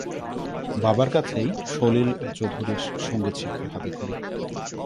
বাবার কাছেই সলিল চৌধুরীর সংগীত শিক্ষার হাতেখড়ি।